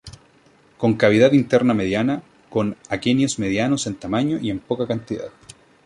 Con cavidad interna mediana, con aquenios medianos en tamaño y en poca cantidad.